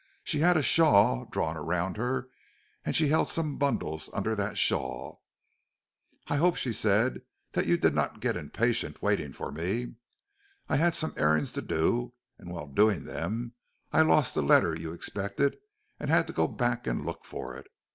She had a shawl drawn around her, and she held some bundles under that shawl. "I hope," she said, "that you did not get impatient, waiting for me. I had some errands to do, and while doing them I lost the letter you expected and had to go back and look for it.